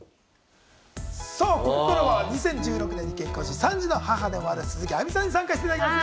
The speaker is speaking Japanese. ここからは２０１６年に結婚し、３児の母でもある鈴木亜美さんに参加していただきます。